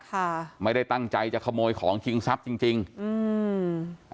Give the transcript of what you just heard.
ค่ะไม่ได้ตั้งใจจะขโมยของชิงทรัพย์จริงจริงอืม